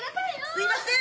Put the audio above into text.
すみません。